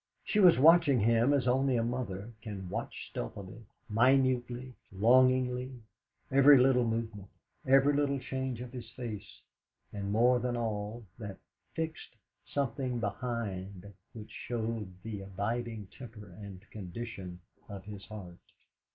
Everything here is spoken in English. She was watching him as only a mother can watch stealthily, minutely, longingly, every little movement, every little change of his face, and more than all, that fixed something behind which showed the abiding temper and condition of his heart.